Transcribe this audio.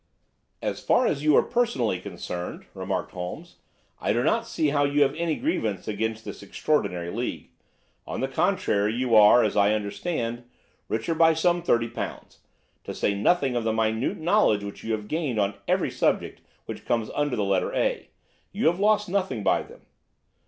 "As far as you are personally concerned," remarked Holmes, "I do not see that you have any grievance against this extraordinary league. On the contrary, you are, as I understand, richer by some £ 30, to say nothing of the minute knowledge which you have gained on every subject which comes under the letter A. You have lost nothing by them."